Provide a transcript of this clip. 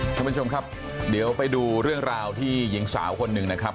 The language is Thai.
ท่านผู้ชมครับเดี๋ยวไปดูเรื่องราวที่หญิงสาวคนหนึ่งนะครับ